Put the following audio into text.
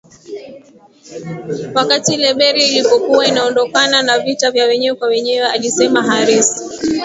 wakati Liberia ilipokuwa inaondokana na vita vya wenyewe kwa wenyewe alisema Harris